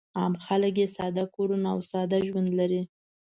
عام خلک یې ساده کورونه او ساده ژوند لري.